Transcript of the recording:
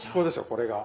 これが。